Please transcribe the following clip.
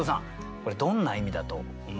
これどんな意味だと思われますか。